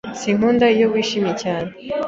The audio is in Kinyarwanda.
Sinkunda iyo wishimye cyane.